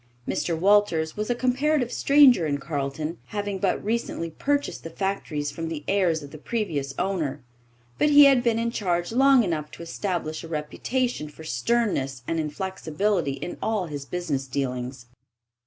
Mr. Walters was a comparative stranger in Carleton, having but recently purchased the factories from the heirs of the previous owner; but he had been in charge long enough to establish a reputation for sternness and inflexibility in all his business dealings.